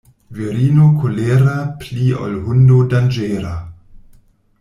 Virino kolera pli ol hundo danĝera.